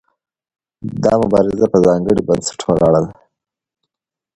دا مبارزه په ځانګړي بنسټ ولاړه ده.